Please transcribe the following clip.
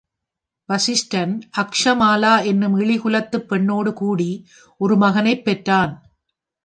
வசிஷ்டன் அக்சமாலா எனும் இழிகுலத்துப் பெண்ணோடு கூடி, ஒரு மகனைப் பெற்றான்.